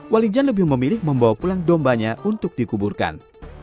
walijan lebih memilih membawa pulang dombanya untuk dikuburkan